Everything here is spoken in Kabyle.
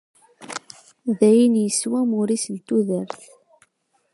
Dayen yeswa amur-is n tudert.